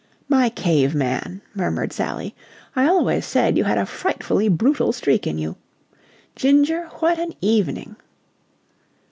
"My cave man!" murmured Sally. "I always said you had a frightfully brutal streak in you. Ginger, what an evening!"